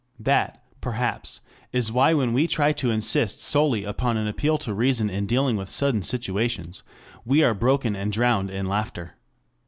That, perhaps, is why when we try to insist solely upon an appeal to reason in dealing with sudden situations, we are broken and drowned in laughter.